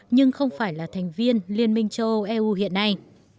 nhưng không phải là thành viên liên minh châu âu eu hiện nay